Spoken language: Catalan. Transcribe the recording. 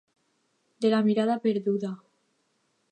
De la mirada perduda.